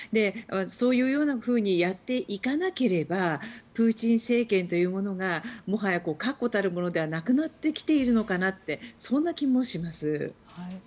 そういうようなふうにやっていかなければプーチン政権というものが確固たるものではなくなってきているのかなとそんな気もします。